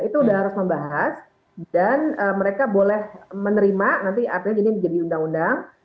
itu sudah harus membahas dan mereka boleh menerima nanti artinya jadi undang undang